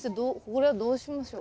これはどうしましょう？